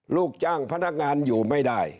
ลูกจ้างพนักงานอยู่ไม่ได้